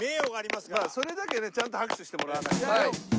それだけねちゃんと拍手してもらわないとね。